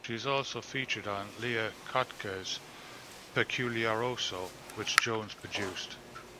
She is also featured on Leo Kottke's "Peculiaroso," which Jones produced.